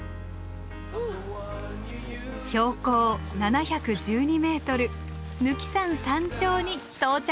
標高７１２ｍ貫山山頂に到着です。